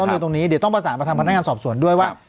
เร็วตรงนี้เดี๋ยวต้องประสานมาทางพนักงานสอบสวนด้วยว่า